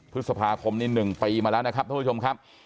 พฤษภาคมนี้๑ปีมาแล้วนะครับท่านผู้ชมครับ